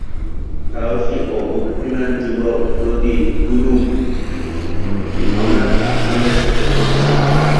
সাহসী ও বুদ্ধিমান যুবক প্রদীপ গুরুং একটি অনাথ আশ্রমের সাথে যুক্ত।